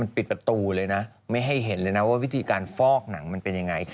ปิดประตูเลยนะไม่ให้เห็นเลยนะว่าวิธีการฟอกหนังมันเป็นยังไง